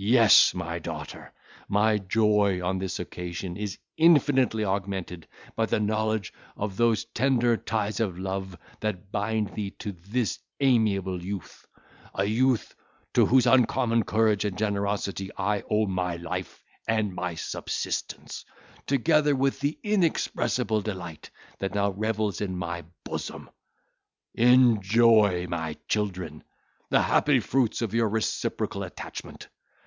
Yes, my daughter! my joy on this occasion is infinitely augmented by the knowledge of those tender ties of love that bind thee to this amiable youth; a youth to whose uncommon courage and generosity I owe my life and my subsistence, together with the inexpressible delight that now revels in my bosom. Enjoy, my children, the happy fruits of your reciprocal attachment.